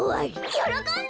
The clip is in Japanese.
よろこんで！